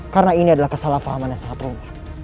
karena ini adalah kesalahpahamannya seorang